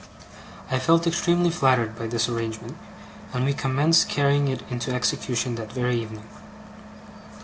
I felt extremely flattered by this arrangement, and we commenced carrying it into execution that very evening.